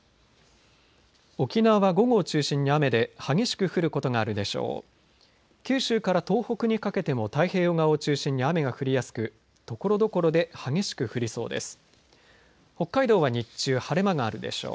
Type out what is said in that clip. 沖縄は午後を中心に雨で激しく降ることがあるでしょう。